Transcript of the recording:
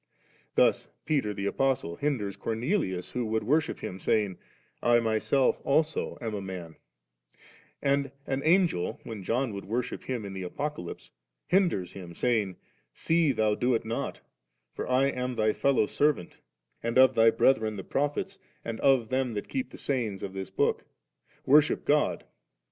Thus Peter the Apostle hinders Cornelius who would worship him, saying, ' I myself also am a num V And an Angel, when John would worship him in the Apocalypse, hinders him, saying, 'See thou do it not ; for I am thy fellow servant, and of thy brethren the Prophets, and of theni that keep the sayings of this book : worship God'.'